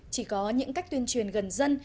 chỉ có những cách tuyên truyền gần dân